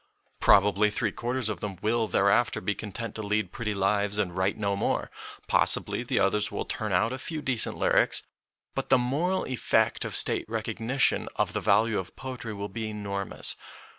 Probably three quarters of them will thereafter be content to lead pretty lives and write no more ; possibly the others will turn out a few decent lyrics. But the moral effect of State recognition of the value of poetry will be enormous.